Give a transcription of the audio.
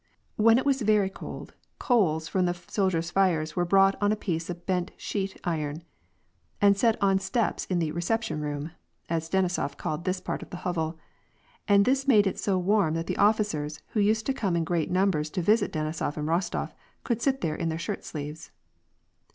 Wnen it was very cold, coals from the soldiers' fires were brought on a bent piece of sheet iron and set on the steps in the '' reception room," as Denisof called this part of the hovel, and this made it so warm that the officers, who used to come in great numbers to visit Deni sof and Rostof, could sit there in their shirt sleeves.